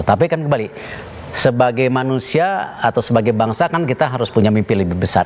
tapi kan kembali sebagai manusia atau sebagai bangsa kan kita harus punya mimpi lebih besar